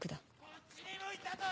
こっちにもいたぞ！